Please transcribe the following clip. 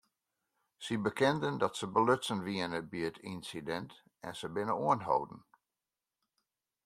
Sy bekenden dat se belutsen wiene by it ynsidint en se binne oanholden.